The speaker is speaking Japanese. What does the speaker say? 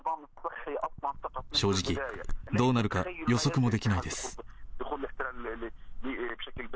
正直、どうなるか予測もできないです。